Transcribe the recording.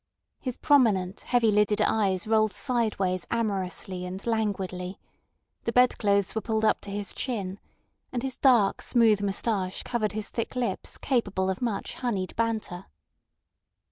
His prominent, heavy lidded eyes rolled sideways amorously and languidly, the bedclothes were pulled up to his chin, and his dark smooth moustache covered his thick lips capable of much honeyed banter.